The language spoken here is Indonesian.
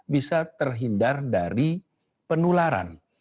bisa terhindar dari penularan